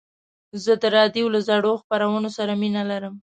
زه د راډیو له زړو خپرونو سره مینه لرم.